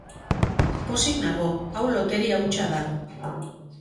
Pozik nago, hau loteria hutsa da.